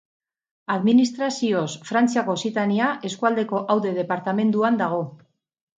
Administrazioz Frantziako Okzitania eskualdeko Aude departamenduan dago.